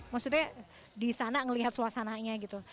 maksudnya di sana ngelihat suasananya gitu